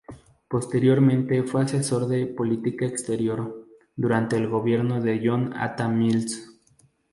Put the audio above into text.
Posteriormente fue asesor de política exterior, durante el gobierno de John Atta Mills.